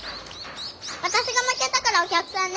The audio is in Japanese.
私が負けたからお客さんね。